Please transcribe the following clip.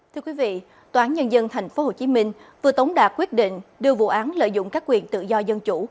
thưa quý vị tòa án nhân dân tp hcm vừa tống đạt quyết định đưa vụ án lợi dụng các quyền tự do dân chủ